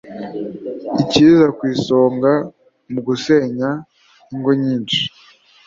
ikiza ku isonga mu gusenya ingo nyinshi